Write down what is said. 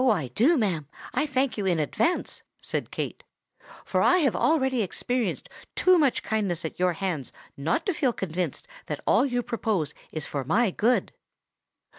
I do, ma'am—I thank you in advance," said Kate; "for I have already experienced too much kindness at your hands not to feel convinced that all you propose is for my good."